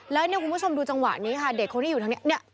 และคุณผู้ชมดูจังหวะนี้ค่ะเด็กคนที่อยู่ทั้งนี้